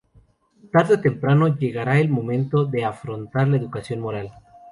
Tarde o temprano llegara el momento de afrontar la educación moral.